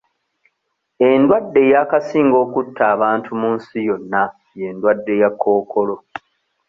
Endwadde eyakasinga okutta abantu mu nsi yonna y'endwadde eya Kkookolo.